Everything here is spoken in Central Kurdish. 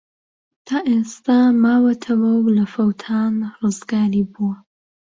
تا ئێستە ماوەتەوە و لە فەوتان ڕزگاری بووە.